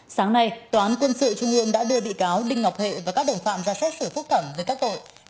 sáng nay toán quân sự trung ương đã đưa bị cáo đinh ngọc hệ và các đồng phạm ra xét sửa phúc thẩm về các tội